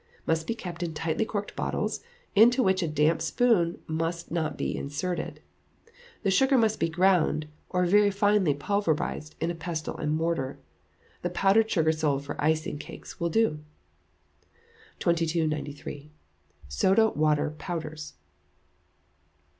Must be kept in tightly corked bottles, into which a damp spoon must not be inserted. The sugar must be ground, or very finely pulverized, in a pestle and mortar. The powdered sugar sold for icing cakes will do. 2293. Soda Water Powders.